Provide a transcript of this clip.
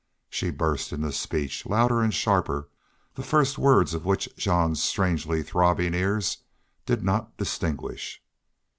She burst into speech, louder and sharper, the first words of which Jean's strangely throbbing ears did not distinguish.